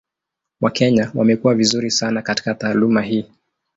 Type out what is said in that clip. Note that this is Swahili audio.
Wakenya wamekuwa vizuri sana katika taaluma hii.